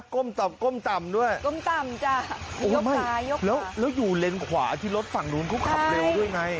ก้มต่ำด้วยก้มต่ำจ้ะลบลายลบลายแล้วอยู่เลนควาที่รถฝั่งโน้นเขาขับเร็วด้วยไง